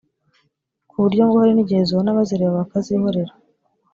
ku buryo ngo hari n’igihe zona bazireba bakazihorera